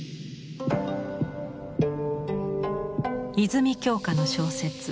泉鏡花の小説